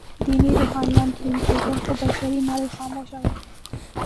ديني روحانيون ترور کېدل، خو بشري نړۍ خاموشه وه.